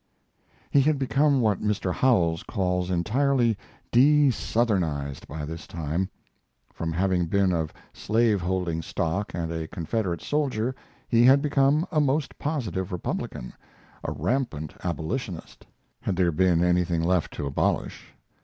He had become what Mr. Howells calls entirely "desouthernized" by this time. From having been of slaveholding stock, and a Confederate soldier, he had become a most positive Republican, a rampant abolitionist had there been anything left to abolish.